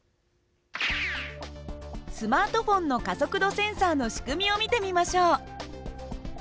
スマートフォンの加速度センサーの仕組みを見てみましょう。